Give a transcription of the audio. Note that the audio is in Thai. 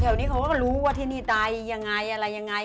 แถวนี้เขาก็รู้ว่าที่นี่ตายอย่างไรอะไรอย่างไร